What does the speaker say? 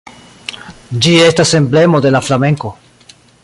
Ĝi estas emblemo de la Flamenko.